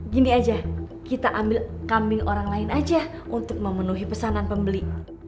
gini aja kita ambil kambing orang lain aja untuk memenuhi pesanan pembeli